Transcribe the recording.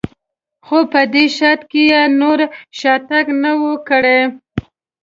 خو په دې شرط که یې نور شاتګ نه و کړی.